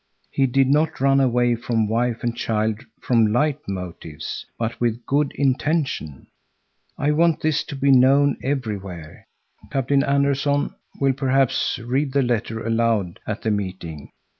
He did not run away from wife and child from light motives, but with good intention. I want this to be known everywhere. Captain Anderson will perhaps read the letter aloud at the meeting.